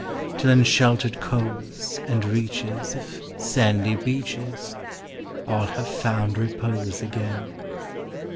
Till in sheltered coves, and reaches Of sandy beaches, All have found repose again.